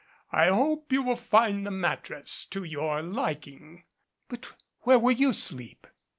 I hope you will find the mattress to your liking." "But where will you sleep?"